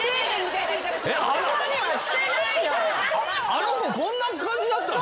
あの子こんな感じだったの？